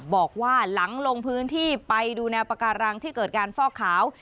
บอกว่าหลังลงพื้นที่ไปดูแนวปาการังที่เกิดการฟอกขาว